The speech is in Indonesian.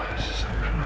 ya allah ya allah